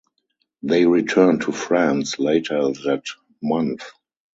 They returned to France later that month.